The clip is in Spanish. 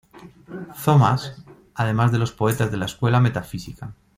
Thomas, además de los poetas de la escuela metafísica.